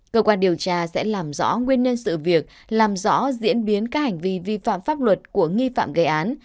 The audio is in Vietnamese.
cơ quan điều tra sẽ làm rõ nguyên nhân sự việc làm rõ diễn biến các hành vi vi phạm pháp luật của nghi phạm gây án